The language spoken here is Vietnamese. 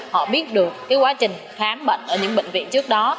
họ biết được quá trình khám bệnh ở những bệnh viện trước đó